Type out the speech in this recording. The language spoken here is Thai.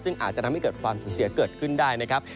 ซึ่งอาจจะทำให้เกิดความสูญเสียเกิดขึ้นได้นะครับ